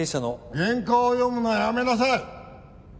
原稿を読むのはやめなさい